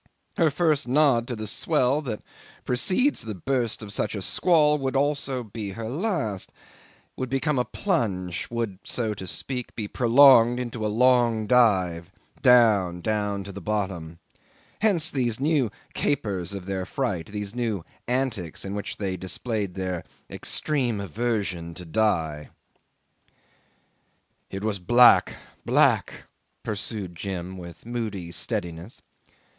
Her first nod to the swell that precedes the burst of such a squall would be also her last, would become a plunge, would, so to speak, be prolonged into a long dive, down, down to the bottom. Hence these new capers of their fright, these new antics in which they displayed their extreme aversion to die. '"It was black, black," pursued Jim with moody steadiness.